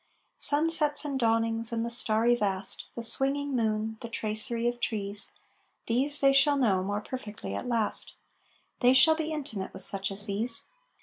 Sunsets and dawnings and the starry vast, The swinging moon, the tracery of trees These they shall know more perfectly at last, They shall be intimate with such as these.